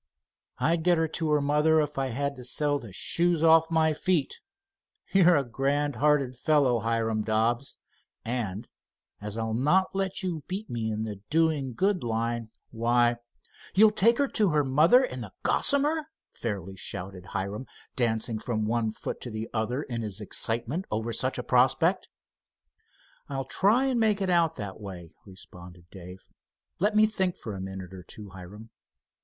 "I'd get her to her mother if I had to sell the shoes off my feet. You're a grand hearted fellow, Hiram Dobbs, and, as I'll not let you beat me in the doing good line, why——" "You'll take her to her mother in the Gossamer?" fairly shouted Hiram, dancing from one foot to the other in his excitement over such a prospect. "I'll try and make it out that way," responded Dave. "Let me think for a minute or two, Hiram."